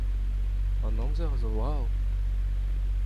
An amzer a zo brav.